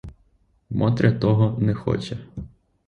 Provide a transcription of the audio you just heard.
Мотря того не хоче.